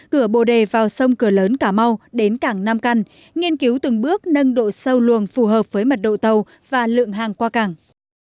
cửa bồ đề vào sông cửa lớn cà mau đến cảng nam căn nghiên cứu từng bước nâng độ sâu luồng phù hợp với mật độ tàu và lượng hàng qua cảng